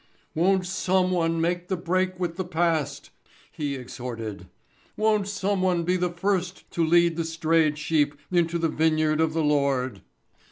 "Won't someone make the break with the past," he exhorted. "Won't someone be the first to lead the strayed sheep into the vineyard of the Lord?"